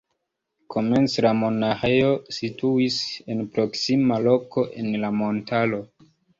Komence la monaĥejo situis en proksima loko en la montaro.